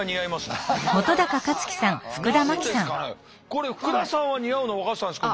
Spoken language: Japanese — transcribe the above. これ福田さんは似合うの分かってたんですけど。